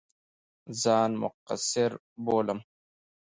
ځان مقصِر بولم.